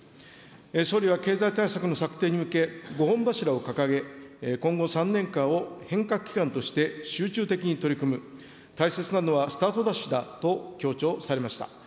総理は経済対策の策定に向け、五本柱を掲げ、今後３年間を変革期間として集中的に取り組む、大切なのはスタートダッシュだと強調されました。